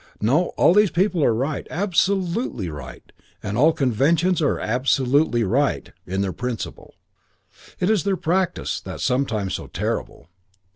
No, all these people are right, absolutely right and all conventions are absolutely right in their principle; it's their practice that's sometimes so terrible.